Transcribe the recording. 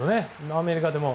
アメリカでも。